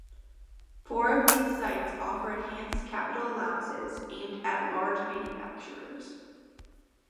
Four of these sites offer enhanced capital allowances, aimed at large manufacturers.